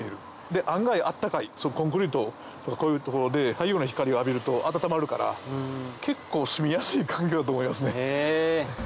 案外温かいコンクリートとかこういう所で太陽の光を浴びると温まるから結構すみやすい環境だと思いますね。